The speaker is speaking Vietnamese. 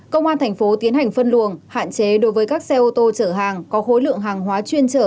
công an tp tiến hành phân luồng hạn chế đối với các xe ô tô chở hàng có khối lượng hàng hóa chuyên chở